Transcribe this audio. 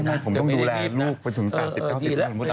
ไม่ผมต้องดูแลลูกไปถึงตาย๑๙๒๐ปี